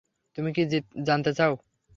তুমি কি জানতে চাও?